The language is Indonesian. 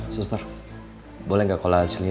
suster boleh gak kalau hasilnya